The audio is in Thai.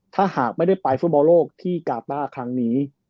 ถ้าหากไม่ได้ไปฟุตบอลโลกที่กาต้าครั้งนี้